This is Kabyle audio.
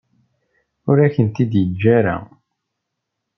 Ur akent-t-id-yeǧǧa ara.